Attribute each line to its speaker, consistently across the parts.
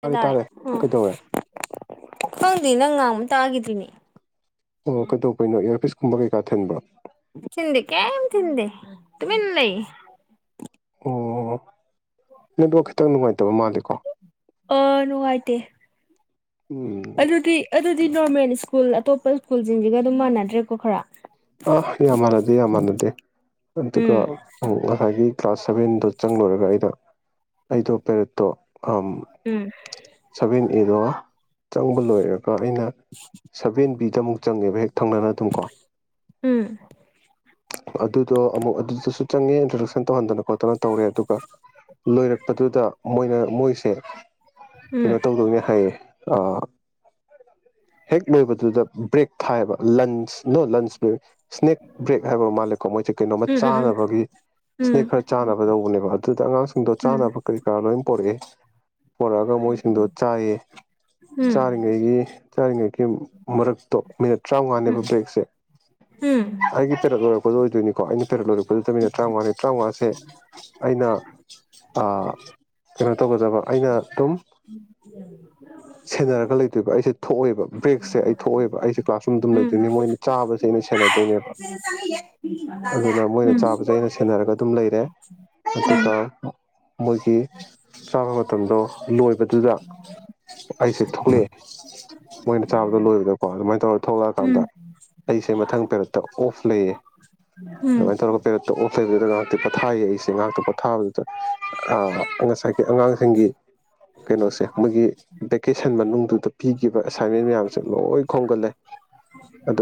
Speaker 1: ꯇꯥꯔꯦ
Speaker 2: ꯇꯔꯦ
Speaker 1: ꯇꯥꯔꯦ
Speaker 2: ꯎ
Speaker 1: ꯀꯩꯗꯧꯔꯦ
Speaker 2: ꯈꯪꯗꯦ ꯅꯪ ꯉꯥꯡꯕ ꯇꯥꯒꯗꯅꯦꯅꯤ
Speaker 1: ꯑꯣ ꯀꯩꯗꯧꯕꯩꯅꯣ ꯏꯔꯁ ꯨꯝꯕ ꯀꯩꯀꯥ ꯊꯤꯟꯕ꯭ꯔ
Speaker 2: ꯇꯃꯤ ꯂꯩ
Speaker 1: ꯑꯣ ꯅ ꯈꯤꯇꯪ ꯅꯨꯡꯉꯥꯏꯇꯕ ꯃꯥꯜꯂꯤꯦꯀꯣ
Speaker 2: ꯑ ꯅꯨꯡꯉꯥꯏꯇꯦ
Speaker 1: ꯎꯝ
Speaker 2: ꯑꯗꯨꯗꯤ ꯑꯗꯨꯗꯤ ꯅꯣꯔꯃꯦꯜ ꯁ꯭ꯀꯨꯜ ꯑꯇꯣꯞꯄ ꯁ꯭ꯀꯨꯜꯁꯤꯡꯁꯤꯒ ꯑꯗꯨꯝ ꯃꯥꯟꯅꯗ꯭ꯔꯦꯀꯣ ꯈꯔ
Speaker 1: ꯑ ꯌꯥꯝ ꯃꯥꯟꯅꯗꯦ ꯌꯥꯝ ꯃꯥꯟꯅꯗꯦ ꯑꯗꯨꯒ
Speaker 2: ꯎꯝ
Speaker 1: ꯉꯁꯥꯏꯒꯤ ꯀ꯭ꯂꯥꯁ ꯁꯚꯦꯟꯗꯣ ꯆꯪꯂꯨꯔꯒ ꯑꯩꯅ ꯑꯩꯗꯣ ꯄꯦꯔꯦꯠꯇꯣ ꯑ
Speaker 2: ꯎꯝ
Speaker 1: ꯁ ꯏꯗ ꯋꯥ ꯆꯪꯕ ꯂꯣꯏꯔꯒ ꯑꯩꯅ ꯁꯚꯦꯟ ꯄꯤꯗꯨꯛꯪꯉꯦꯕ ꯍꯦꯛ ꯊꯪꯅꯅ ꯑꯗꯨꯝꯀꯣ
Speaker 2: ꯎꯝ
Speaker 1: ꯑꯗꯨꯗꯣ ꯑꯃꯨꯛ ꯑꯗꯨꯗꯁꯨ ꯆꯪꯉꯦ ꯏꯟꯇ꯭ꯔꯗꯛꯁꯟ ꯇꯧꯍꯟꯗꯅ ꯈꯣꯠꯇꯅ ꯇꯧꯔꯦ ꯑꯗꯨꯒ ꯂꯣꯏꯔꯛꯄꯗꯨꯗ ꯃꯣꯏꯅ ꯣꯏꯁꯦ
Speaker 2: ꯎꯝ
Speaker 1: ꯀꯩꯅꯣ ꯇꯧꯗꯧꯅꯦ ꯍꯥꯏꯌꯦ ꯍꯦꯛ ꯂꯣꯏꯕꯗꯨꯗ ꯕ꯭ꯔꯦꯛ ꯊꯥꯏꯑꯕ ꯂꯟꯁ ꯅꯣ ꯂꯟꯁ ꯎꯝ ꯁ꯭ꯅꯦꯛ ꯕ꯭ꯔꯦꯛ ꯍꯥꯏꯕ ꯃꯥꯜꯂꯦꯀꯣ ꯃꯣꯏꯁꯦ ꯀꯩꯅꯣꯝꯃ
Speaker 2: ꯎꯝ
Speaker 1: ꯆꯥꯅꯕꯒꯤ
Speaker 2: ꯎꯝ
Speaker 1: ꯁ꯭ꯅꯦꯛ ꯈꯔ ꯆꯥꯅꯕꯗꯧꯕꯅꯦꯕ ꯑꯗꯨꯗ ꯑꯉꯥꯡꯁꯤꯡꯗꯣ
Speaker 2: ꯎꯝ
Speaker 1: ꯆꯥꯅꯕ ꯀꯔꯤ ꯀꯔꯥ ꯂꯣꯏꯅ ꯄꯣꯔꯛꯑꯦ ꯄꯣꯔꯛꯑꯒ ꯃꯣꯏꯁꯤꯡꯗꯣ ꯆꯥꯏꯌꯦ
Speaker 2: ꯎꯝ ꯎꯝ
Speaker 1: ꯆꯥꯔꯤꯉꯩꯒꯤ ꯆꯥꯔꯤꯉꯩꯒꯤ ꯃꯔꯛꯇꯣ ꯃꯤꯅꯠ ꯇꯔꯥꯃꯉꯥꯅꯦꯕ ꯕ꯭ꯔꯦꯛꯁꯦ
Speaker 2: ꯎꯝ ꯎꯝ
Speaker 1: ꯍꯥꯏ ꯇꯔ ꯇ ꯀ ꯅꯤꯣ ꯑꯩꯅꯔ ꯐ ꯇꯃꯤꯅ ꯇꯔꯥꯉꯥ ꯇꯔꯥꯃꯉꯥꯁꯦ ꯑꯩꯅ ꯀꯩꯅꯣ ꯇꯧꯒꯗꯕ ꯑꯩꯅ ꯑꯗꯨꯝ ꯁꯦꯟꯅꯔꯒ ꯂꯩꯇꯣꯏꯕ ꯑꯩꯁꯦ ꯊꯣꯛꯑꯏꯦꯕ ꯕ꯭ꯔꯦꯛꯁꯦ ꯑꯩ ꯊꯣꯛꯑꯏꯦꯕ ꯑꯩꯁꯦ ꯀ꯭ꯂꯥꯁ ꯔꯨꯝ ꯑꯗꯨꯝ ꯂꯩꯗꯣꯏꯅꯦ ꯃꯣꯏꯅ ꯆꯥꯕꯁꯤ ꯑꯩꯅ ꯁꯦꯟꯅꯗꯣꯏꯅꯦꯕ ꯑꯗꯨꯅ
Speaker 2: ꯎꯝ ꯎꯝ ꯎꯝ
Speaker 1: ꯃꯣꯏꯅ
Speaker 2: ꯎꯝ
Speaker 1: ꯆꯥꯕꯁꯦ ꯑꯩꯅ ꯁꯦꯟꯅꯔꯒ ꯑꯗꯨꯝ ꯂꯩꯔꯦ
Speaker 2: ꯎꯝ ꯎꯝ ꯎꯝ ꯎꯝ
Speaker 1: ꯁꯤꯠꯇꯀꯣ ꯃꯣꯏꯒꯤ ꯆꯥꯕ ꯃꯇꯝꯗꯣ ꯂꯣꯏꯕꯗꯨꯗ ꯑꯩꯁꯦ ꯊꯣꯛꯂꯛꯑꯦ ꯃꯣꯏꯅ ꯆꯥꯕꯗ ꯂꯣꯏꯕꯗꯀꯣ ꯑꯗꯨꯃꯥꯏꯅ ꯇꯧꯔꯒ ꯊꯣꯛꯂꯛꯑꯀꯥꯟꯗ ꯑꯩꯁꯦ ꯃꯊꯪ ꯄꯦꯔꯠꯇ ꯑꯣꯐ ꯂꯩꯌꯦ ꯑꯗꯨꯃꯥꯏꯅ ꯇꯧꯔꯒ ꯄꯦꯔꯠꯇ ꯑꯣꯐ ꯑꯩꯗꯨꯗ ꯉꯩꯍꯥꯛꯇ ꯄꯣꯊꯥꯌ‌ꯦ ꯑꯩꯁ‌ꯦ ꯉꯥꯏꯍꯥꯛꯇ ꯄꯣꯊꯥꯕꯗꯨꯗ ꯉꯁꯥꯏꯒꯤ ꯑꯉꯥꯡꯁꯤꯡꯒꯤ ꯀꯩꯅꯣꯁꯦ ꯃꯣꯏꯒꯤ ꯚꯦꯀꯦꯁꯟ ꯃꯅꯨꯡꯗꯨꯗ ꯄꯤꯈꯤꯕ ꯑꯦꯁꯥꯏꯟꯃꯦꯟ ꯃꯌꯥꯝꯁꯦ ꯂꯣꯏ ꯈꯣꯝꯒꯠꯂꯦ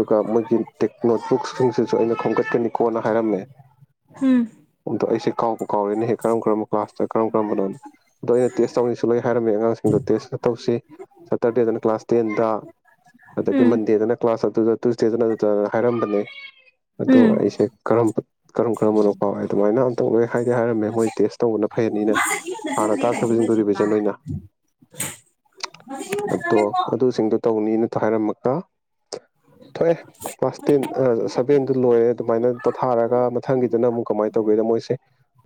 Speaker 1: ꯑꯗꯨꯒ ꯃꯣꯏꯒꯤ ꯇꯦꯛ ꯅꯣꯠꯕꯨꯛꯁꯤꯡꯁꯤꯁꯨ ꯑꯩꯅ ꯈꯣꯝꯒꯠꯀꯅꯤꯀꯣꯅ ꯍꯥꯏꯔꯝꯃꯦ ꯑꯗꯣ ꯑꯩꯁꯦ ꯀꯥꯎꯕ ꯀꯥꯎꯔꯦꯅ ꯍꯦꯛ ꯀꯔꯝ ꯀꯔꯝ ꯀ꯭ꯂꯥꯁꯇ ꯀꯔꯝ ꯀꯔꯝꯕꯅꯣ ꯑꯗꯣ ꯑꯩꯅ ꯇꯦꯁ ꯇꯧꯅꯤꯡꯁꯨ ꯂ‌ꯣꯏ ꯍꯥꯏꯔꯝꯃꯤ ꯑꯉꯥꯡꯁꯤꯡꯗꯣ ꯇꯦꯁ ꯇꯧꯁꯤ ꯁꯇꯔꯇꯤ ꯑꯗꯨꯅ ꯀ꯭ꯂꯥꯁ ꯇꯦꯟ ꯇ ꯑꯗꯨꯒ ꯃꯟꯗ‌ꯦꯗꯅ ꯀ꯭ꯂꯥꯁ ꯇꯨꯗ ꯇꯨꯁꯗꯦꯗꯨꯅ ꯑꯗꯨꯗꯅ ꯍꯥꯏꯔꯝꯕꯅꯦ ꯑꯗ‌ꯣ ꯑꯩꯁꯦ ꯀꯔ ꯀꯔꯝ ꯀꯔꯝꯕꯅꯣ ꯐꯥꯎꯏ ꯑꯗꯨꯃꯥꯏꯅ ꯑꯝꯇꯪ ꯂꯣꯏ ꯍꯥꯏꯗꯤ ꯍꯥꯏꯔꯝꯃꯦ ꯃꯣꯏ ꯇꯦꯁ ꯇꯧꯕꯅ ꯐꯩꯅꯤꯅ ꯍꯥꯟꯅ ꯇꯥꯛꯈꯕꯁꯤꯡꯗꯨ ꯔꯤꯚꯤꯖꯟ ꯑꯣꯏꯅ ꯑꯗꯣ ꯑꯗꯨꯁꯤꯡꯗꯣ ꯇꯧꯅꯤꯅ ꯍꯥꯏꯔꯝꯃꯒ ꯊꯣꯛꯑꯦ ꯀ꯭ꯂꯥꯁ ꯇꯦꯟ ꯁꯚꯦꯟꯗꯨ ꯂꯣꯏꯔꯦ ꯑꯗꯨꯃꯥꯏꯅ ꯄꯣꯊꯥꯔꯒ ꯃꯊꯪꯒꯤꯗꯨꯅ ꯑꯃꯨꯛ ꯀꯃꯥꯏꯅ ꯇꯧꯒꯦꯗ ꯃꯣꯏꯁꯦ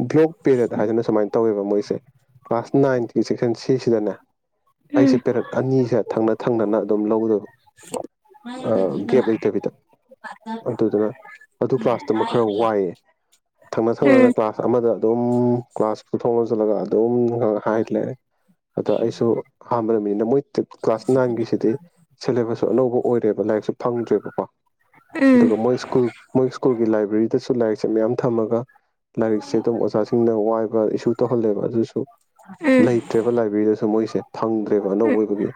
Speaker 1: ꯕ꯭ꯂꯣꯛ ꯄꯦꯔꯗ ꯍꯥꯏꯅ ꯁꯨꯃꯥꯏꯅ ꯇꯧꯋꯦꯕ ꯃꯣꯏꯁꯦ ꯁ‌ꯦ ꯀ꯭ꯂꯥꯁ ꯅꯥꯏꯟ ꯁ‌ꯦꯛ ꯁꯤ ꯁꯤꯗꯅ‌ꯦ
Speaker 2: ꯎꯝ
Speaker 1: ꯑꯩꯁꯦ
Speaker 2: ꯎꯝ
Speaker 1: ꯄꯦꯔꯦꯠ ꯑꯅꯤꯁꯦ ꯊꯪꯅ ꯊꯪꯅꯅ ꯑꯗꯨꯝ ꯂꯧꯒꯗꯣꯏꯕ ꯑꯥ ꯀꯦꯞ ꯂꯩꯇꯕꯤꯗ ꯑꯗꯨꯗꯨꯅ ꯑꯗꯨ ꯀ꯭ꯂꯥꯁꯇꯨꯃ ꯈꯔ ꯋꯥꯏꯑꯦ ꯊꯪꯅ ꯊꯪꯅꯗꯅ ꯀ꯭ꯂꯥꯁ ꯑꯃꯗ ꯑꯗꯨꯝ ꯀ꯭ꯂꯥꯁ ꯄꯨꯊꯣꯛꯉꯁꯨ ꯂꯒ ꯑꯗꯨꯝ ꯍꯥꯏ ꯂꯩꯔꯦ ꯑꯗ ꯑꯩꯁꯨ ꯑꯍꯥꯟ ꯅꯤꯅ ꯃ‌ꯣꯏ ꯀ꯭ꯂꯥꯁ ꯅꯥꯏꯟꯒꯤꯁꯤꯗꯤ ꯁꯦꯂꯦꯕꯁꯁꯨ ꯑꯅꯧꯕ ꯑꯣꯏꯔꯦꯕ ꯂꯥꯏꯔꯤꯛꯁꯨ ꯗꯔ‌ꯦꯕꯀ‌ꯣ ꯑꯗꯨꯒ ꯃ‌ꯣꯏ ꯁꯀꯨꯜ ꯃ‌ꯣꯏ ꯏꯁꯀꯨꯜꯒꯤ ꯂꯥꯏꯕꯔ‌ꯦꯔꯤꯗ ꯁꯨ ꯂꯥꯏꯔꯤꯛꯁꯦ ꯃꯌꯥꯝ ꯊꯝꯃꯒ ꯂꯥꯏꯔꯤꯛꯁꯦ ꯑꯗꯨꯝ ꯑꯣꯖꯥꯁꯤꯡꯅ ꯋꯥꯏꯕ ꯏꯁꯨ ꯇꯧꯍꯂꯦꯕ ꯑꯗꯨꯁꯨ
Speaker 2: ꯎꯝ ꯎꯝ
Speaker 1: ꯂꯩꯇ꯭ꯔꯦꯕ ꯂꯥꯏꯕ꯭ꯔꯦꯔꯤꯗꯁꯨ ꯃꯣꯏꯁꯦ ꯐꯪꯗ꯭ꯔꯦꯕ ꯑꯅꯧꯕ ꯑꯣꯏꯕꯒꯤ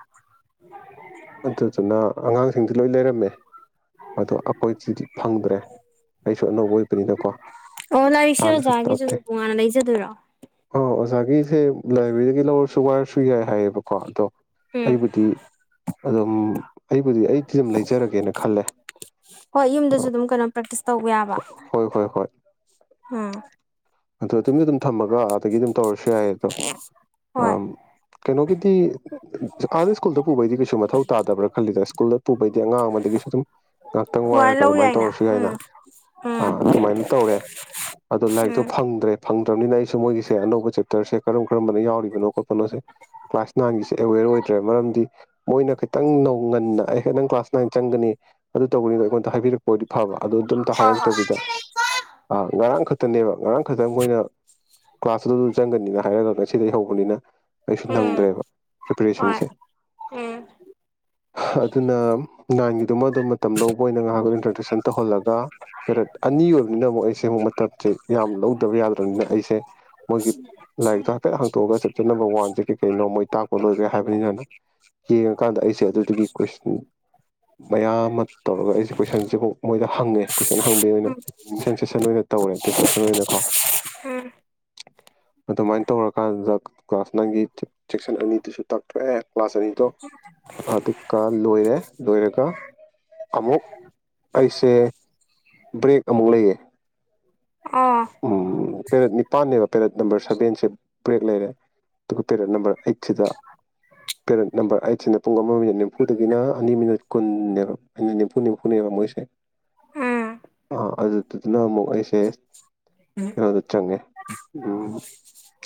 Speaker 1: ꯑꯗꯨꯗꯨꯅ ꯑꯉꯥꯡꯁꯤꯡꯗꯤ ꯂꯣꯏ ꯂꯩꯔꯝꯃꯦ ꯃ‌ꯦ ꯑꯗꯣ ꯑꯩꯈꯣꯏꯗꯤꯗꯤ ꯐꯪꯗ꯭ꯔꯦ ꯑꯩꯁꯨ ꯑꯅꯧꯕ ꯑꯣꯏꯕꯅꯤꯅꯀꯣ
Speaker 2: ꯑꯣ ꯂꯥꯏꯔꯤꯛꯁꯦ
Speaker 1: ꯍꯥꯟꯅꯁꯨ
Speaker 2: ꯑꯣꯖꯥꯒꯤꯁꯨ
Speaker 1: ꯇꯥꯛꯇꯦ
Speaker 2: ꯇꯣꯉꯥꯟꯅ ꯂꯩꯖꯗꯣꯏꯔꯣ
Speaker 1: ꯑꯣ ꯑꯣꯖꯥꯒꯤ ꯁꯦ ꯂꯥꯏꯕ꯭ꯔꯦꯔꯤꯗꯒꯤ ꯂꯧꯔꯁꯨ ꯋꯥꯔꯁꯨ ꯌꯥꯏ ꯍꯥꯏꯌꯦꯕꯀꯣ ꯑꯗꯣ
Speaker 2: ꯎꯝ
Speaker 1: ꯄꯔꯤꯕꯨꯨꯇꯤ ꯑꯗꯨꯝ ꯑꯩꯕꯨꯗꯤ ꯑꯩ ꯊꯤꯝ ꯂꯩꯖꯦ ꯍꯥꯏꯆꯔꯒꯦꯅ ꯈꯜꯂꯦ
Speaker 2: ꯍꯣꯏ ꯌꯨꯝꯗꯁꯨ ꯑꯗꯨꯝ ꯀꯩꯅꯣ ꯄ꯭ꯔꯦꯛꯇꯤꯁ ꯇꯧꯕ ꯌꯥꯕ
Speaker 1: ꯍꯣꯏ ꯍꯣꯏ
Speaker 2: ꯎꯝ
Speaker 1: ꯑꯣꯃꯤ ꯊꯝꯃꯒ ꯑꯗꯒꯤ ꯑꯗꯨꯝ ꯇꯧꯔꯁꯨ ꯌꯥꯏꯌꯦ ꯑꯗꯣ
Speaker 2: ꯍꯣꯏ
Speaker 1: ꯀꯩꯅꯣꯒꯤꯗꯤ ꯑꯥꯗ ꯁ꯭ꯀꯨꯜꯗ ꯄꯨꯕꯩꯗꯤ ꯀꯩꯁꯨ ꯃꯊꯧ ꯇꯥꯗꯕ꯭ꯔꯥ ꯈꯜꯂꯤꯗ ꯁ꯭ꯀꯨꯜꯗ ꯄꯨ ꯑꯉꯥꯡ ꯑꯃꯗꯒꯤꯁꯨ ꯑꯗꯨꯝ ꯉꯥꯏꯍꯥꯛꯇꯪ
Speaker 2: ꯍꯋꯥꯏ
Speaker 1: ꯋꯥꯏꯔꯒ
Speaker 2: ꯂꯧ
Speaker 1: ꯑꯗꯨꯃꯥꯏꯅ
Speaker 2: ꯌꯥꯏꯅ
Speaker 1: ꯇꯧꯔꯁꯨ ꯀꯥꯏꯅ
Speaker 2: ꯎꯝ ꯎꯝ
Speaker 1: ꯑꯗꯨꯃꯥꯏꯅ ꯇꯧꯔꯦ ꯑꯗꯣ ꯂꯥꯏꯔꯤꯛꯇꯣ
Speaker 2: ꯎꯝ
Speaker 1: ꯐꯪꯗ꯭ꯔꯦ ꯐꯪꯗ꯭ꯔꯅꯤꯅ ꯑꯩꯁꯨ ꯃꯣꯏꯒꯤꯁꯦ ꯑꯅꯧꯕ ꯆꯦꯞꯇꯔꯁꯦ ꯀꯔꯝ ꯀꯔꯝꯕꯅ ꯌꯥꯎꯔꯤꯕꯅꯣ ꯈꯣꯠꯄꯅꯣꯁꯦ ꯀ꯭ꯂꯥꯁ ꯅꯥꯏꯟꯒꯤꯁꯦ ꯑꯦꯋꯦꯔ ꯑꯣꯏꯗ꯭ꯔꯦ ꯃꯔꯝꯗꯤ ꯃꯣꯏꯅ ꯈꯤꯇꯪ ꯅꯧ ꯉꯟꯅ ꯑꯩ ꯍꯦꯛꯇꯪ ꯀ꯭ꯂꯥꯁ ꯅ ꯆꯪꯒꯅꯤ ꯑꯗꯨ ꯇꯧꯕꯅꯤꯅ ꯑꯩꯉꯣꯟꯗ ꯍꯥꯏꯕꯤꯔꯛꯄ ꯑꯣꯏꯗꯤ ꯐꯕ ꯑꯗꯨꯗ ꯑꯝꯇ
Speaker 2: ꯍꯣꯏ ꯍꯣꯏ
Speaker 1: ꯍꯥꯏꯔꯛꯇꯕꯤꯗ ꯉꯔꯥꯡ ꯈ ꯈꯛꯇꯅꯦꯕ ꯉꯔꯥꯡ ꯈꯛꯇꯪꯈꯣꯏꯅ ꯀ꯭ꯂꯥꯁ ꯑꯗꯨꯗꯨ ꯆꯪꯒꯅꯤꯅ ꯍꯥꯏꯔꯒ ꯉꯁꯤꯗꯒꯤꯩ ꯍꯧꯕꯅꯤꯅ ꯑꯩꯩꯁꯨ
Speaker 2: ꯎꯝ
Speaker 1: ꯅꯪꯗ꯭ꯔꯦꯕ
Speaker 2: ꯍꯣꯏ
Speaker 1: ꯄ꯭ꯔꯤꯄꯦꯔꯦꯁꯟꯁꯦ
Speaker 2: ꯎꯝ
Speaker 1: ꯑꯗꯨꯅ ꯅꯥꯏꯟꯒꯤꯗꯨꯃ ꯑꯗꯨꯝ ꯃꯇꯝ ꯂꯧꯕ ꯑꯣꯏꯅ ꯉꯥꯏꯍꯥꯛꯇ ꯏꯟꯇ꯭ꯔꯗꯛꯁꯟ ꯇꯧꯍꯜꯂꯒ ꯄꯦꯔꯦꯠ ꯑꯅꯤ ꯑꯣꯏꯕꯅꯤꯅ ꯑꯃꯨꯛ ꯑꯩꯁꯦ ꯑꯃꯨꯛ ꯃꯇꯝꯁꯦ ꯌꯥꯝ ꯂꯧꯗꯕ ꯌꯥꯗ꯭ꯔꯕꯅꯤꯅ ꯑꯩꯁꯦ ꯃꯣꯏꯒꯤ ꯂꯥꯏꯔꯤꯛꯇꯣ ꯍꯥꯏꯐꯦꯠ ꯍꯥꯡꯇꯣꯛꯑꯒ ꯆꯦꯞꯇꯔ ꯅꯝꯕꯔ ꯋꯥꯟꯁꯦ ꯀꯩ ꯀꯩꯅꯣ ꯃꯣꯏ ꯇꯥꯛꯄ ꯂꯣꯏꯈ꯭ꯔꯦ ꯍꯥꯏꯕꯅꯤꯅꯅ ꯌꯦꯡꯉꯀꯥꯟꯗ ꯑꯩꯁꯦ ꯑꯗꯨꯗꯨꯒꯤ ꯀꯣꯏꯁꯟ ꯃꯌꯥꯝ ꯑꯃ ꯇꯧꯔꯒ ꯑꯩꯁꯦ ꯀꯣꯏꯁꯟꯁꯤꯐꯥꯎ ꯃꯣꯏꯗ ꯍꯪꯉꯦ ꯀꯣꯏꯁꯟ ꯍꯪꯕꯩ ꯑꯣꯏꯅ
Speaker 2: ꯎꯝ
Speaker 1: ꯀꯣꯏꯁꯟ ꯁꯦꯁꯟ ꯑꯣꯏꯅ ꯇꯧꯔꯦ ꯗꯤꯁꯀꯁꯟ ꯑꯣꯏꯅꯀꯣ
Speaker 2: ꯎꯝ
Speaker 1: ꯑꯗꯨꯃꯥꯏꯅ ꯇꯧꯔꯀꯥꯟꯗ ꯀ꯭ꯂꯥꯁ ꯅꯥꯏꯟꯒꯤ ꯁꯦꯛꯁꯟ ꯑꯅꯤꯗꯨꯁꯨ ꯇꯥꯛꯊꯣꯛꯑꯦ ꯀ꯭ꯂꯥꯁ ꯑꯅꯤꯗꯣ ꯑꯗꯨꯒ ꯂꯣꯏꯔꯦ ꯂꯣꯏꯔꯒ ꯑꯗꯨꯒ ꯑꯃꯨꯛ ꯑꯩꯁꯦ ꯕ꯭ꯔꯦꯛ ꯑꯃꯨꯛ ꯂꯩꯌꯦ
Speaker 2: ꯑꯥ
Speaker 1: ꯄꯦꯔꯠ ꯅꯤꯄꯥꯟꯅꯦꯕ ꯄꯦꯔꯠ ꯅꯝꯕꯔ ꯁꯕꯦꯟꯁꯦ ꯕ꯭ꯔꯦꯛ ꯂꯩꯔꯦ ꯑꯗꯨꯒ ꯄꯦꯔꯠ ꯅꯝꯕꯔ ꯑꯩꯠ ꯁꯤꯗ ꯄꯦꯔꯠ ꯅꯝꯕꯔ ꯑꯩꯠꯁꯤꯅ ꯄꯨꯡ ꯑꯃ ꯃꯤꯅꯤꯠ ꯅꯤꯐꯨꯗꯒꯤꯅ ꯑꯅꯤ ꯃꯤꯅꯤꯠ ꯀꯨꯟꯅꯦꯕ ꯑꯩꯅ ꯅꯤꯐꯨ ꯅꯤꯐꯨꯅꯦꯕ ꯃꯣꯏꯁꯦꯥ
Speaker 2: ꯎꯝ
Speaker 1: ꯑꯗꯨꯗꯨꯗꯨꯅ ꯑꯃꯨꯛ ꯑꯩꯁꯦ ꯈꯩꯅ ꯑꯗꯨ ꯆꯪꯦ ꯎꯝ ꯀ꯭ꯂ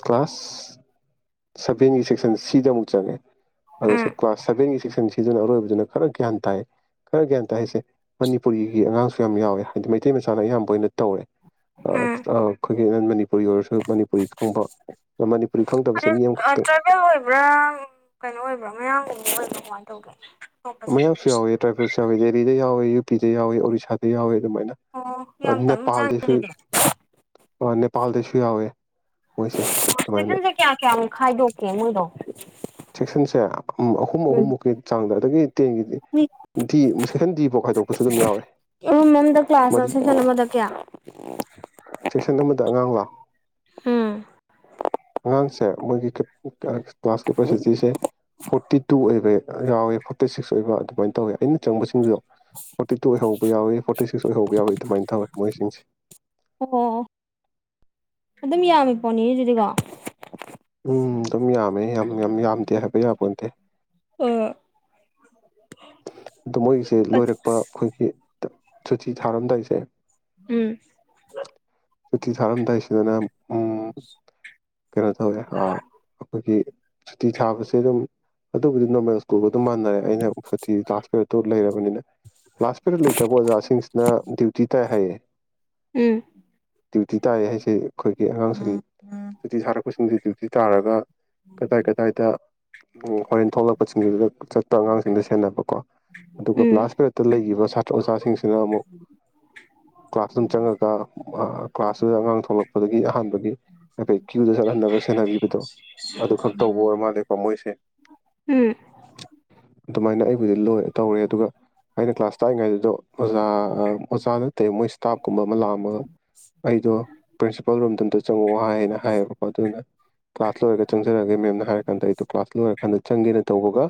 Speaker 1: ꯀ꯭ꯂꯥꯁ ꯁꯦꯡꯒꯤ ꯁꯦꯛꯁꯟ ꯁꯥ ꯃꯆꯆꯥꯦ ꯑ
Speaker 2: ꯎꯝ
Speaker 1: ꯁꯦ ꯀ꯭ꯂꯥꯁ ꯁꯦꯚꯦꯟ ꯁꯤꯛꯁ ꯁꯤꯗꯨꯅ ꯑꯔꯣꯏꯕꯗꯨꯅ ꯈꯔ ꯒ꯭ꯌꯥꯟ ꯇꯥꯏꯌꯦ ꯈꯔ ꯒ꯭ꯌꯥꯟ ꯇꯥꯏ ꯍꯥꯏꯁꯦ ꯃꯅꯤꯄꯨꯔꯤꯒꯤ ꯑꯉꯥꯡꯁꯨ ꯌꯥꯝ ꯌꯥꯎꯋꯦ ꯍꯥꯏꯗꯤ ꯃꯩꯇꯩ ꯃꯆꯥꯅ ꯑꯌꯥꯝꯕ ꯑꯣꯏꯅ ꯇꯧꯔꯦ ꯑ
Speaker 2: ꯎꯝ
Speaker 1: ꯑ ꯑꯩꯈꯣꯏꯒꯤ ꯅꯟ ꯃꯅꯤꯄꯨꯔ ꯃꯅꯤꯄꯨꯔꯤ ꯈꯪꯗꯕꯁꯦ ꯃꯤ
Speaker 2: ꯑꯗꯨ
Speaker 1: ꯑꯃꯈꯛꯇ
Speaker 2: ꯇ꯭ꯔꯥꯏꯕꯦꯜ ꯑꯣꯏꯕ꯭ꯔꯥ ꯀꯩꯅꯣ ꯑꯣꯏꯕ꯭ꯔꯥ ꯃꯌꯥꯝꯒꯨꯝꯕ ꯑꯣꯏꯕ꯭ꯔꯥ ꯀꯃꯥꯏꯅ ꯇꯧꯒꯦ ꯊꯣꯛꯄꯁꯦ
Speaker 1: ꯃꯌꯥꯝꯁꯨ ꯌꯥꯎꯋꯦ ꯇ꯭ꯔꯥꯏꯐꯁꯨꯎꯋ ꯗꯦꯔꯤꯗ ꯌꯥꯎꯦ ꯀꯆꯦ ꯌꯥꯎꯋ ꯑꯣꯔꯔꯤꯁꯥꯗꯤ ꯌꯥꯎꯦ ꯑꯗꯨꯃꯥꯏꯅ
Speaker 2: ꯑꯣ ꯌꯥꯝ ꯇꯞꯅ ꯆꯪꯉꯦ
Speaker 1: ꯅꯦꯄꯥꯜꯗꯩꯁꯨ
Speaker 2: ꯑꯗꯨꯗꯤ
Speaker 1: ꯅꯦꯄꯥꯜꯗꯁꯨ ꯌꯥꯎꯋꯦ ꯃꯣꯏꯁꯦ ꯑꯗꯨꯃꯥꯏꯅ
Speaker 2: ꯀꯉꯗꯣ
Speaker 1: ꯆꯦꯛꯁꯟꯁꯦ ꯑꯍꯨꯝ
Speaker 2: ꯎꯝ
Speaker 1: ꯑꯍꯨꯝꯃꯨꯛꯀꯤ ꯆꯥꯡꯗ ꯑꯗꯒꯤ ꯇꯦꯟꯒꯤꯗꯤ ꯗꯤ ꯁꯦꯛꯁꯟ ꯗꯤꯐꯥꯎ ꯈꯥꯏꯗꯣꯛꯄꯁꯨ ꯑꯗꯨꯝ ꯌꯥꯎꯋꯦ
Speaker 2: ꯔꯨꯝ ꯑꯃꯗ ꯀ꯭ꯂꯥꯁ
Speaker 1: ꯃꯗꯤ
Speaker 2: ꯁꯦꯁꯟ ꯑꯃꯗ ꯀꯌꯥ
Speaker 1: ꯁꯦꯛꯁꯟ ꯑꯃꯗ ꯑꯉꯥꯡ ꯂꯥꯛ
Speaker 2: ꯎꯝ
Speaker 1: ꯑꯉꯥꯡꯁꯦ ꯃ ꯀꯦꯄꯥꯁꯤꯇꯤꯁꯦ ꯐꯣꯔꯇꯤ ꯇꯨ ꯑꯣꯏꯕ ꯌꯥꯎꯏꯦ ꯐꯣꯔꯇꯤ ꯁꯤꯛꯁ ꯑꯣꯏꯕ ꯑꯗꯨꯃꯥꯏꯅ ꯇꯧꯋꯦ ꯑꯩꯅ ꯆꯪꯕꯁꯤꯡꯗꯨꯗꯣ ꯐꯣꯔꯇꯤ ꯇꯨ ꯑꯣꯏꯍꯧꯕ ꯌꯥꯎꯏꯤ ꯐꯣꯔꯇꯤ ꯁꯤꯛꯁ ꯑꯣꯏꯍꯧꯕ ꯌꯥꯎꯏꯤ ꯑꯗꯨꯃꯥꯏꯅ ꯇꯧꯋꯤ ꯃꯣꯏꯁꯤꯡꯁꯦ
Speaker 2: ꯑꯣ ꯑꯗꯨꯝ ꯌꯥꯝꯃꯤ ꯄꯣꯠꯅꯤꯅꯦ ꯑꯗꯨꯗꯤꯀꯣ
Speaker 1: ꯎꯝ ꯑꯗꯨꯝ ꯌꯥꯝꯃꯦ ꯌꯥꯝ ꯌꯥꯝ ꯌꯥꯝꯗꯦ ꯍꯥꯏꯕ ꯌꯥꯄꯗꯦ
Speaker 2: ꯑ
Speaker 1: ꯑꯣ ꯃꯣꯏꯒꯤꯁꯦ ꯂꯣꯏꯔꯛꯄ ꯑꯩꯈꯣꯏꯒꯤ ꯁꯨꯇꯤ ꯊꯥꯔꯝꯗꯧꯏꯁꯦ
Speaker 2: ꯎꯝ
Speaker 1: ꯁꯇꯤ ꯊꯥꯔꯝꯗꯥꯏꯁꯤꯗꯅ ꯎ ꯀꯩꯅꯣ ꯇꯧꯋꯦ ꯑꯩꯈꯣꯏꯒꯤ ꯁꯨꯇꯤ ꯊꯥꯕꯁꯦ ꯑꯗꯨꯝ ꯑꯗꯨꯕꯨꯗꯤ ꯅꯃꯀ ꯑꯗꯨꯝ ꯃꯥꯟꯅꯔꯦ ꯑꯩꯅ ꯇꯥꯁ ꯇꯣ ꯂꯩꯔꯕꯅꯤꯅ ꯂꯥꯁꯄꯤꯔ ꯂꯩ ꯇꯛ ꯑꯣꯖꯥꯁꯤꯡꯁꯤꯅ ꯗ꯭ꯌꯨꯇꯤ ꯇꯥꯏ ꯍꯥꯏꯌꯦ
Speaker 2: ꯎꯝ
Speaker 1: ꯗ꯭ꯌꯨꯇꯤ ꯇꯥꯏ ꯍꯥꯏꯁꯦ ꯑꯩꯈꯣꯏꯒꯤ ꯑꯉꯥꯡꯁꯤꯡ ꯗ꯭ꯌꯨꯇꯤ ꯁꯥꯔꯛꯄꯁꯤꯡꯁꯤ ꯗ꯭ꯌꯨꯇꯤ ꯇꯥꯔꯒ ꯀꯗꯥꯏ ꯀꯗꯥꯏꯗ ꯍꯣꯔꯦꯟ ꯊꯣꯛꯂꯛꯄꯁꯤꯡꯗꯨꯗ ꯆꯠꯄ ꯑꯉꯥꯡꯁꯤꯡꯗ ꯁꯦꯟꯅꯕ ꯑꯗꯨꯒ
Speaker 2: ꯎꯝ
Speaker 1: ꯀ꯭ꯂꯥꯁ ꯄꯦꯔꯗꯠꯇ ꯂꯩꯈꯤꯕ ꯁꯥꯇ꯭ꯔ ꯑꯣꯖꯥꯁꯤꯡꯁꯤꯅ ꯑꯃꯨꯛ ꯀ꯭ꯂꯥꯁ ꯔꯨꯝ ꯆꯪꯉꯒ ꯀ꯭ꯂꯥꯁꯇꯨꯗ ꯑꯉꯥꯡ ꯊꯣꯛꯂꯛꯄꯗꯒꯤ ꯑꯍꯥꯟꯕꯒꯤ ꯍꯥꯏꯐꯣꯏ ꯀ꯭ꯌꯨꯗ ꯆꯠꯍꯟꯅꯕ ꯁꯦꯟꯅꯕꯤꯕꯗꯣ ꯑꯗꯨ ꯈꯛ ꯇꯧꯕ ꯑꯣꯏ ꯃꯥꯜꯂꯦꯀꯣ ꯃꯣꯏꯁꯦ
Speaker 2: ꯎꯝ
Speaker 1: ꯑꯗꯨꯃꯥꯏꯅ ꯑꯩꯈꯣꯏꯗꯤ ꯂꯣꯏ ꯇꯧꯔꯦ ꯑꯗꯨꯒ ꯑꯩꯅ ꯀ꯭ꯂꯥꯁ ꯇꯥꯔꯤꯉꯩꯗꯨꯗꯣ ꯖꯥ ꯃꯁꯥꯥꯟ ꯑꯇꯩ ꯃꯣꯏ ꯏꯁꯇꯥꯐ ꯀꯨꯝꯕ ꯑꯃ ꯂꯥꯛꯑꯒ ꯑꯩꯗꯣ ꯄ꯭ꯔꯤꯟꯁꯤꯄꯥꯜ ꯔꯣꯝꯗꯝꯗ ꯆꯍ꯭ꯥꯋꯏꯅ ꯍꯥꯏꯅ ꯍꯥꯏꯌꯦꯕꯀꯣ ꯑꯗꯨꯅ ꯀ꯭ꯂꯥꯁ ꯂꯣꯏꯔꯒ ꯆꯪꯔꯒꯦ ꯃꯦꯝꯅ ꯍꯥꯏꯔ ꯀꯥꯟꯗ ꯑꯩꯗꯣ ꯀ꯭ꯂꯥꯁ ꯂꯣꯏꯔꯀꯥꯟꯗ ꯆꯪꯒꯦꯅ ꯇꯧꯕꯒ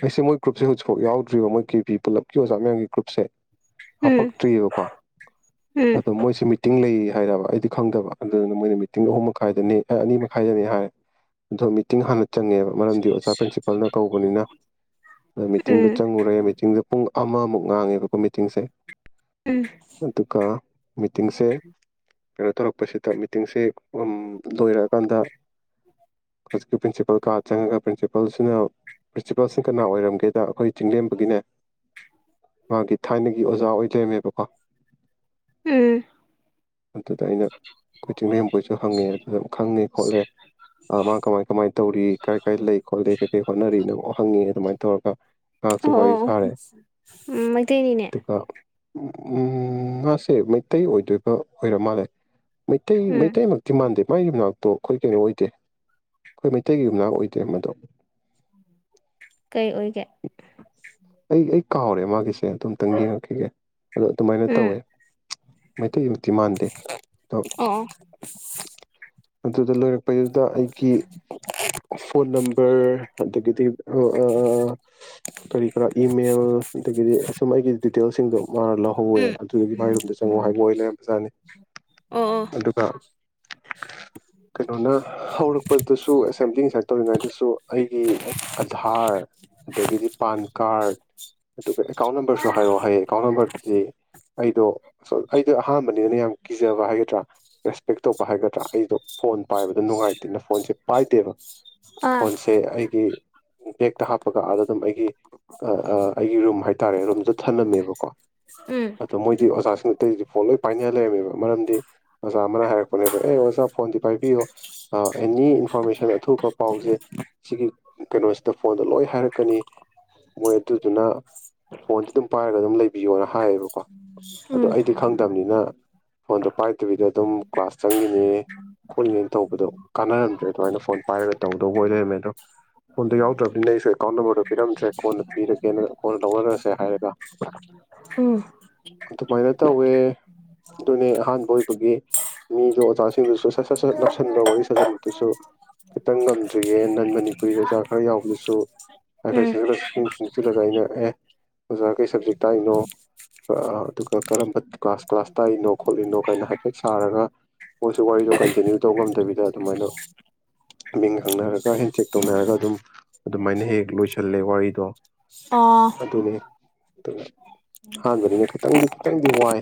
Speaker 1: ꯐꯁ ꯑꯃꯣꯏ ꯒ꯭ꯔꯨꯞꯁꯦꯖꯤꯛꯐꯥꯎ ꯌꯥꯎꯗ꯭ꯔꯤꯕ ꯃꯣꯏ ꯀꯦ ꯤ ꯄꯨꯂꯞꯀꯤ ꯑꯣꯖꯥ ꯃꯌꯥꯝꯒꯤ ꯒ꯭ꯔꯨꯞꯁꯦ
Speaker 2: ꯎꯝ
Speaker 1: ꯍꯥꯄꯛꯇ꯭ꯔꯤꯑꯕꯀꯣ
Speaker 2: ꯎꯝ
Speaker 1: ꯑꯗꯣ ꯃꯣꯏꯁꯨꯦ ꯃꯤꯇꯤꯡ ꯂꯩꯌꯦ ꯍꯥꯏꯕ ꯑꯩꯗꯤ ꯈꯪꯗꯕ ꯑꯗꯨꯗꯨꯅ ꯃꯣꯏꯅ ꯃꯤꯇꯤꯡ ꯑꯍꯨꯝ ꯃꯈꯥꯏꯗꯅꯤ ꯑꯅꯤ ꯃꯈꯥꯏꯗꯅꯤ ꯍꯥꯏꯔꯦ ꯑꯗꯣ ꯃꯤꯇꯤꯡ ꯍꯥꯟꯅ ꯆꯪꯉꯦꯕ ꯃꯔꯝꯗꯤ ꯑꯣꯖꯥ ꯄ꯭ꯔꯤꯟꯁꯤꯄꯜꯅ ꯀꯧꯕꯅꯤꯅ ꯃꯤꯇꯤꯡꯗ
Speaker 2: ꯎꯝ
Speaker 1: ꯆꯪꯉꯨꯔꯦ ꯃꯤꯇꯤꯡ ꯁꯦ ꯄꯨꯡ ꯑꯃꯃꯨꯛ ꯉꯥꯡꯉꯦꯕꯀꯣ ꯃꯤꯇꯤꯡꯁꯦ
Speaker 2: ꯎꯝ
Speaker 1: ꯑꯗꯨ ꯑꯗꯨ ꯀ ꯃꯤꯇꯤꯡꯁꯦ ꯀꯩꯅꯣ ꯇꯧꯔꯛꯄꯁꯤꯗ ꯃꯤꯇꯤꯡꯁꯦ ꯂꯣꯏꯔꯛꯑꯀꯥꯟꯗ ꯍꯧꯖꯤꯛꯀꯤ ꯄ꯭ꯔꯤꯟꯁꯤꯄꯥꯜ ꯀꯥ ꯆꯪꯉꯒ ꯄ꯭ꯔꯤꯟꯁꯤꯄꯥꯜꯁꯤꯅ ꯄ꯭ꯔꯤꯟꯁꯤꯄꯥꯜꯁꯤꯡ ꯀꯅꯥ ꯑꯣꯏꯔꯝꯒꯦ ꯀꯩꯗ ꯑꯩꯈꯣꯏ ꯆꯤꯡꯂꯦꯝꯕꯒꯤꯅꯦ ꯃꯥꯒꯤ ꯊꯥꯏꯅꯒꯤ ꯑꯣꯖꯥ ꯑꯣꯏꯖꯩꯃꯦꯕꯀꯣ
Speaker 2: ꯎꯝ
Speaker 1: ꯑꯗꯨꯗ ꯑꯩꯅ ꯑꯩꯈꯣꯏ ꯆꯤꯡꯅꯦꯝꯕꯣꯏꯁꯨ ꯍꯪꯉꯦ ꯑꯗꯨꯗ ꯈꯪꯉꯦ ꯈꯣꯠꯂꯦ ꯃꯥ ꯀꯃꯥꯏ ꯀꯃꯥꯏꯅ ꯇꯧꯔꯤ ꯀꯥꯏ ꯀꯥꯏ ꯂꯩ ꯈꯣꯠꯂꯤꯦ ꯀꯩ ꯀꯩ ꯍꯣꯠꯅꯔꯤꯅꯣ ꯍꯪꯉꯦ ꯑꯗꯨꯃꯥꯏꯅ ꯇꯧꯔꯒ ꯉꯥꯏꯍꯥꯛꯁꯨ ꯋꯥꯔꯤ
Speaker 2: ꯑꯣ
Speaker 1: ꯁꯥꯔꯦ
Speaker 2: ꯎꯝ ꯃꯩꯇꯩꯅꯤꯅꯦ
Speaker 1: ꯎ ꯎꯝ ꯉꯥꯁꯦ ꯃꯩꯇꯩ ꯑꯣꯏꯗꯣꯏꯕ ꯑꯣꯏꯔ ꯃꯥꯜꯂꯦ ꯃꯩꯇꯩ
Speaker 2: ꯎꯝ
Speaker 1: ꯃꯩꯇꯩꯩ ꯃ ꯊꯤ ꯃꯥꯥꯟꯗꯦ ꯃꯥꯏꯒꯤ ꯃꯅꯥꯛꯇꯣ ꯑꯩꯈꯣꯏ ꯀꯩꯅꯣ ꯑꯣꯏꯗꯦ ꯑꯩꯈꯣꯏ ꯃꯩꯇꯩꯒꯤ ꯃꯅꯥꯛ ꯑꯣꯏꯗꯦ ꯃꯗꯣ
Speaker 2: ꯀꯩ ꯑꯣꯏꯒꯦ
Speaker 1: ꯑꯩ ꯑꯩ ꯀꯥꯎꯔꯦ ꯃꯥꯒꯤꯁꯦ ꯦ ꯑꯗꯨꯝꯛꯇꯪ ꯌꯦꯡꯉꯛꯈꯤꯒꯦ ꯑꯗꯣ ꯑꯗꯨꯃꯥꯏꯅ ꯇꯧꯋꯦ
Speaker 2: ꯎꯝ
Speaker 1: ꯃꯩꯇꯩꯃꯛꯇꯤ ꯃꯥꯟꯗꯦ ꯑꯗꯣ
Speaker 2: ꯑꯣ
Speaker 1: ꯑꯗꯨꯗ ꯂꯣꯏꯔ ꯗꯨꯗ ꯑꯩꯒꯤ ꯐꯣꯟ ꯅꯝꯕꯔ ꯑꯗꯒꯤꯗꯤ ꯀꯔꯤ ꯀꯔꯥ ꯏꯃꯦꯜ ꯑꯗꯒꯤꯗꯤ ꯁꯨꯝ ꯑꯩꯒꯤ ꯇꯦꯜꯁꯤꯡꯗꯣ ꯃꯥꯅ ꯂꯧꯍꯧꯋꯦ
Speaker 2: ꯎꯝ
Speaker 1: ꯑꯗꯨꯒꯤ ꯃꯥꯏ ꯔꯨꯝꯗ ꯆꯪꯉꯛꯑꯣ ꯍꯥꯏꯕ ꯑꯣꯏ [unintelligible] ꯖꯥꯅꯤ
Speaker 2: ꯑꯣ ꯑꯣ
Speaker 1: ꯀꯩꯅꯣꯅ ꯍꯧꯔꯛꯄꯗꯁꯨ ꯑꯦꯁꯦꯝꯕ꯭ꯂꯤ ꯉꯁꯥꯏ ꯇꯧꯔꯤꯉꯩꯗꯁꯨ ꯑꯩꯒꯤ ꯑꯙꯥꯔ ꯑꯗꯒꯤꯗꯤ ꯄꯥꯟ ꯀꯥꯔꯠ [unintelligible] ꯑꯗꯨꯒ ꯑꯦꯀꯥꯎꯟ ꯅꯝꯕꯔꯁꯨ ꯍꯥꯏꯔꯛꯑꯣ ꯍꯥꯏꯌꯦ ꯑꯦꯀꯥꯎꯟ ꯅꯝꯕꯔꯗꯨꯗꯤ ꯑꯩꯗꯣ ꯑꯩꯗꯣ ꯑꯍꯥꯟꯕꯅꯤꯅ ꯌꯥꯝ ꯀꯤꯖꯕ ꯍꯥꯏꯒꯗ꯭ꯔꯥ ꯔꯦꯁꯄꯦꯛ ꯇꯧꯕ ꯍꯥꯏꯒꯗ꯭ꯔꯥ ꯑꯩꯗꯣ ꯐꯣꯟ ꯄꯥꯏꯕꯗꯣ ꯅꯨꯡꯉꯥꯏꯇꯦꯅ ꯐꯣꯟꯁꯦ ꯄꯥꯏꯗꯦꯕ
Speaker 2: ꯑꯥ
Speaker 1: ꯐꯣꯟꯁꯦ ꯑꯩꯒꯤ ꯕꯦꯛꯇ ꯍꯥꯞꯄꯒ ꯑꯥꯗ ꯑꯗꯨꯝ ꯑꯩꯒꯤ ꯑꯩꯒꯤ ꯔꯨꯝ ꯍꯥꯏꯇꯥꯔꯦ ꯔꯨꯝꯁꯨ ꯊꯂꯝꯃꯦꯕꯀꯣ
Speaker 2: ꯎꯝ
Speaker 1: ꯑꯡꯠꯣ ꯃꯣꯏꯗꯤ ꯑꯣꯖꯁꯤ ꯑꯇꯩꯗꯤ ꯐꯣꯟ ꯂꯣꯏ ꯄꯥꯏꯅ ꯂꯩꯔꯝꯃꯦꯕ ꯃꯔꯝꯗꯤ ꯑꯣꯖꯥ ꯑꯃꯅ ꯍꯥꯏꯔꯛꯄ ꯑ ꯑꯦꯅꯤ ꯏꯟꯐꯣꯔꯃꯦꯁꯟ ꯑꯊꯨ ꯄꯥꯎꯁꯦ ꯁꯤꯒꯤ ꯀꯩꯅꯣꯁꯤꯗ ꯐꯣꯟꯗ ꯂꯣꯏ ꯍꯥꯏꯔꯛꯀꯅꯤ ꯃꯣꯏ ꯑꯗꯨꯗꯨꯅ ꯐꯣꯟꯗ ꯑꯗꯨꯝ ꯄꯥꯏꯔꯒ ꯑꯗꯨꯝ ꯂꯩꯕꯤꯌꯣꯅ ꯍꯥꯏꯌꯦꯕꯀꯣ ꯑꯗꯣ
Speaker 2: ꯎꯝ
Speaker 1: ꯑꯩꯗꯤ ꯈꯪꯗꯕꯅꯤꯅ ꯐꯣꯜꯗꯣ ꯄꯥꯏ [unintelligible] ꯑꯗꯨꯝ ꯀ꯭ꯂꯥꯁ ꯆꯪꯉꯤꯅꯦ ꯈꯣꯠꯂꯤꯅꯦꯅ ꯇꯧꯕꯗꯣ ꯀꯥꯟꯅꯔꯝꯗ꯭ꯔꯦ ꯑꯗꯨꯃꯥꯏꯅ ꯐꯣꯟ ꯄꯥꯏꯔꯒ ꯇꯧꯗꯧꯕ ꯑꯣꯏ ꯂꯩꯔꯝꯃꯦ ꯑꯗꯣ ꯐꯣꯟꯗꯣ ꯌꯥꯎꯗ꯭ꯔꯕꯅꯤꯅ ꯑꯩꯁꯨ ꯑꯦꯀꯥꯎꯟ ꯅꯝꯕꯔꯗꯣ ꯄꯤꯔꯝꯗ꯭ꯔꯦ ꯀꯣꯟꯅ ꯄꯤꯔꯒꯦꯅ ꯀꯣꯟꯅ ꯂꯧꯅꯔꯁꯦ ꯍꯥꯏꯔꯒ
Speaker 2: ꯎꯝ
Speaker 1: ꯑꯗꯨꯃꯥꯏꯅ ꯇꯧꯋꯦ ꯑꯗꯨꯅꯦ ꯑꯍꯥꯟꯕ ꯑꯣꯏꯕꯒꯤ ꯃꯤꯗꯣ ꯑꯣꯖꯥꯁꯤꯡꯗꯨꯁꯨ ꯁꯠ ꯁꯠ ꯁꯠ ꯅꯞꯁꯤꯟꯕ ꯋꯥꯔꯤ ꯁꯥꯖꯟꯕꯗꯨꯁꯨ ꯈꯤꯇꯪ ꯉꯝꯗ꯭ꯔꯤꯌꯦ ꯅꯟ ꯃꯅꯤꯄꯨꯔꯤ ꯑꯣꯖꯥ ꯈꯔ ꯌꯥꯎꯕꯗꯨꯁꯨ ꯍꯥꯏꯐꯦꯠ
Speaker 2: ꯎꯝ
Speaker 1: ꯁꯠ ꯈꯪꯆꯤꯜꯂꯒ ꯑꯩꯅ ꯑꯦ ꯑꯣꯖꯥ ꯀꯩ ꯁꯕꯖꯦꯛ ꯇꯥꯛꯏꯅꯣ ꯑꯗꯨꯒ ꯀꯔꯝꯕ ꯀ꯭ꯂꯥꯁ ꯀ꯭ꯂꯥꯁ ꯇꯥꯛꯏꯅꯣ ꯈꯣꯠꯂꯤꯅꯣ ꯀꯥꯏꯅ ꯍꯥꯏꯐꯦꯠ ꯁꯥꯔꯒ ꯃꯣꯏꯁꯨ ꯋꯥꯔꯤꯗꯣ ꯀꯟꯇꯤꯅ꯭ꯌꯨ ꯇꯧ ꯉꯝꯗꯕꯤꯗ ꯑꯗꯨꯃꯥꯏꯅ ꯃꯤꯡ ꯍꯪꯅꯔꯒ ꯍꯦꯟ ꯆꯦꯛ ꯇꯧꯅꯔꯒ ꯑꯗꯨꯝ ꯑꯗꯨꯃꯥꯏꯅ ꯍꯦꯛ ꯂꯣꯏꯁꯜꯂꯦ ꯋꯥꯔꯤꯗꯣ
Speaker 2: ꯑ
Speaker 1: ꯑꯗꯨꯅꯤ ꯗꯨꯅꯦ ꯍꯥꯟꯕꯅꯤꯅ ꯈꯤꯇꯪꯗꯤ ꯈꯤꯇꯪꯗꯤ ꯋꯥꯏ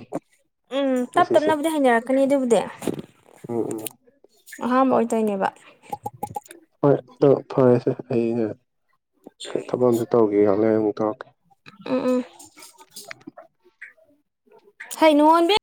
Speaker 2: ꯇꯞ
Speaker 1: ꯉꯁꯤꯁꯦ
Speaker 2: ꯇꯞꯅꯕꯨꯗꯤ ꯍꯩꯅꯔꯛꯀꯅꯤ ꯑꯗꯨꯕꯨꯗꯤ
Speaker 1: ꯎꯝ ꯎꯝ
Speaker 2: ꯑꯍꯥꯥꯟꯕ ꯑꯣꯏꯇꯣꯏꯅꯦꯕ
Speaker 1: ꯍꯣꯏ ꯑꯗꯣ ꯐꯔꯦꯁꯦ ꯑꯩꯅ ꯊꯕꯛ ꯑꯝꯇ ꯇꯧꯔꯨꯒꯤꯒꯦ ꯉꯥꯢꯈꯥꯛ ꯂꯩꯔ ꯑꯃꯨꯛ ꯇꯧꯔꯛꯀꯦ
Speaker 2: ꯎꯝ ꯎꯝ ꯍꯩ ꯅꯣꯑꯣꯟꯕꯤ